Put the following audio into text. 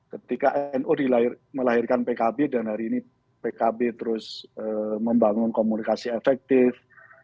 ketika nu melahirkan pkb dan hari ini pkb terus membangun komunikasi efektif